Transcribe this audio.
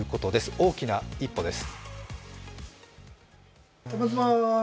大きな一歩です。